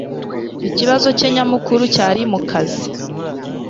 Ikibazo cye nyamukuru cyari mukazi